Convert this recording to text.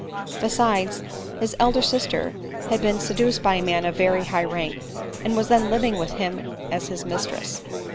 Besides, his elder aster had been seduced by a man of very high rank, and was then living with him as his mistress.